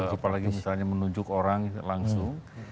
apalagi misalnya menunjuk orang langsung